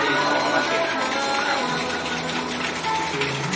สวัสดีครับทุกคน